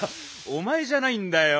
おまえじゃないんだよ。